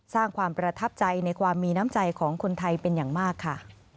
สร้างความประทับใจในความมีน้ำใจของคนไทยเป็นอย่างมากค่ะ